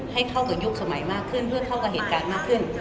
ให้เข้ากับยุคสมัยมากขึ้นเพื่อเข้ากับเหตุการณ์มากขึ้น